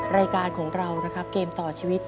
รายการของเรานะครับเกมต่อชีวิต